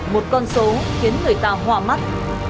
một con số khiến người ta hòa mắt